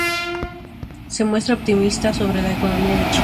Se muestra optimista sobre la economía de China.